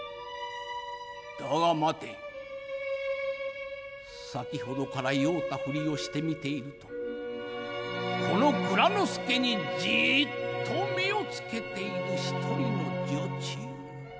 だが待て先ほどから酔うた振りをして見ているとこの内蔵助にじっと目を付けている一人の女中。